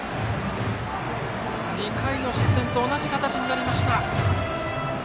２回の失点と同じ形になりました。